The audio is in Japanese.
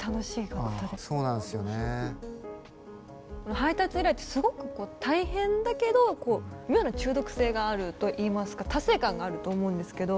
配達依頼ってすごく大変だけどこう妙な中毒性があるといいますか達成感があると思うんですけど。